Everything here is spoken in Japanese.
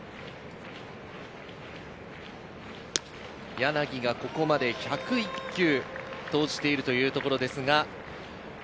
柳がここまで１０１球、投じているというところです。